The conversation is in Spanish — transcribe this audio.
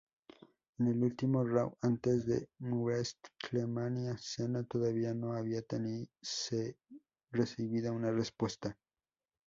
En el último "Raw" antes de WrestleMania, Cena todavía no había recibido una respuesta.